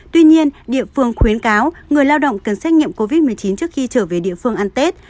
tuy nhiên địa phương khuyến cáo người lao động cần xét nghiệm covid một mươi chín trước khi trở về địa phương ăn tết